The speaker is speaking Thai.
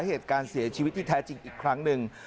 เหตุการณ์เสียชีวิตที่แท้จริงอีกครั้งหนึ่ง